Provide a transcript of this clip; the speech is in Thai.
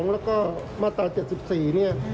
แล้วก็มาตร๗๔